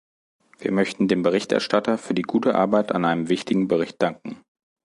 Wir möchten dem Berichterstatter für die gute Arbeit an einem wichtigen Bericht danken.